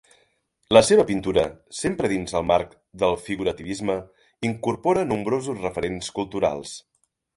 La seva pintura, sempre dins el marc del figurativisme, incorpora nombrosos referents culturals.